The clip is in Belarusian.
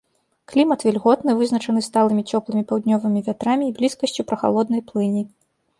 Клімат вільготны, вызначаны сталымі цёплымі паўднёвымі вятрамі і блізкасцю прахалоднай плыні.